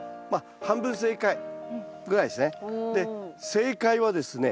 正解はですね